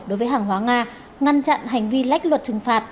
đối với hàng hóa nga ngăn chặn hành vi lách luật trừng phạt